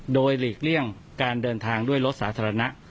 โดยหลีกเลี่ยงการเดินทางด้วยรถสาธารณะ